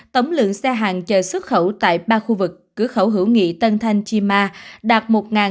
tổng lượng xe hàng chở xuất khẩu tại ba khu vực cửa khẩu hữu nghị tân thanh chima đạt một sáu trăm bốn mươi sáu